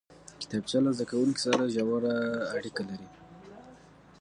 کتابچه له زده کوونکي سره ژوره اړیکه لري